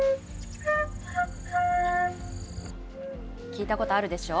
聞いたことあるでしょ？